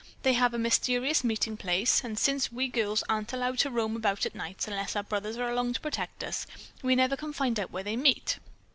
They have a mysterious meeting place, and since we girls aren't allowed to roam about nights unless our brothers are along to protect us, we never can find out where they meet.